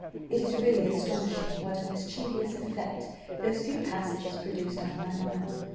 It is really astonishing what a mischievous effect those few passages produced on my mind.